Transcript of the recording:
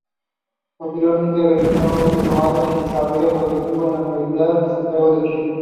Posteriormente, realizó un diplomado en Desarrollo Productivo en la Universidad de Santiago de Chile.